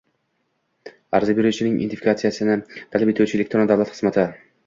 Ariza beruvchining identifikatsiyalanishini talab etuvchi elektron davlat xizmati